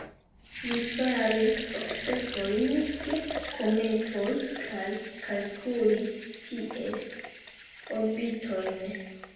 Li faris observojn pri kometoj kaj kalkulis ties orbitojn.